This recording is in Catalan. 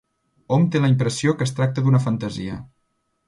Hom té la impressió que es tracta d'una fantasia.